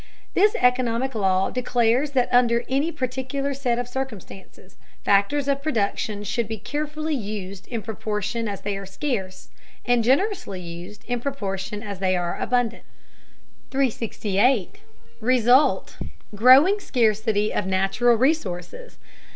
This economic law declares that under any particular set of circumstances factors of production should be carefully used in proportion as they are scarce, and generously used in proportion as they are abundant. 368. RESULT: GROWING SCARCITY OF NATURAL RESOURCES.